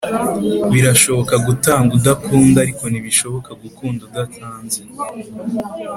birashoboka gutanga udakunda ariko ntibishoboka gukunda udatanze